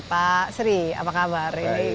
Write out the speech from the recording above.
pak sri apa kabar